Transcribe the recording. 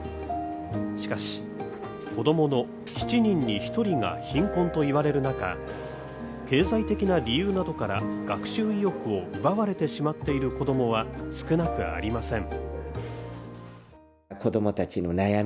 しかし、子供の７人に１人が貧困と言われる中、経済的な理由などから学習意欲を奪われてしまっている子供は少なくありません。